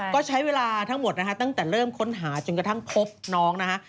ก็ใช้เวลาทั้งหมดนะคะตั้งแต่เริ่มค้นหาจนกระทั่งพบน้องนะฮะ